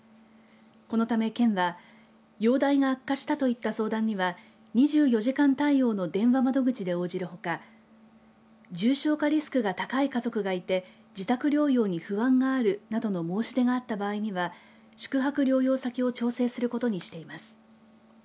このため県は容体が悪化したといった相談には２４時間対応の電話窓口で応じるほか重症化リスクが高い家族がいて自宅療養に不安があるなどの申し出があった場合には宿泊療養先を調整することにしています。